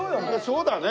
そうだね。